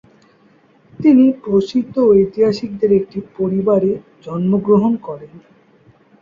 তিনি প্রসিদ্ধ ঐতিহাসিকদের একটি পরিবারে জন্মগ্রহণ করেন।